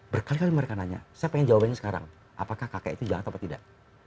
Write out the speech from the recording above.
berkali kali mereka nanya saya pengen jawabannya sekarang apakah kakek itu jahat apa tidak